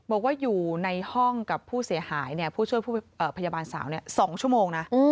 บอกว่าอยู่ในห้องกับผู้เสียหายผู้ช่วยพยาบาลสาว๒ชั่วโมงนะ